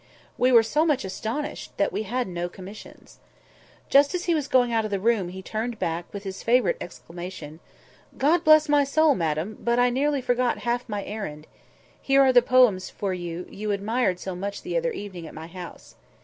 We were so much astonished that we had no commissions. Just as he was going out of the room, he turned back, with his favourite exclamation— "God bless my soul, madam! but I nearly forgot half my errand. Here are the poems for you you admired so much the other evening at my house."